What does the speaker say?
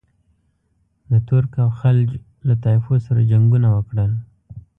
د ترک او خلج له طایفو سره جنګونه وکړل.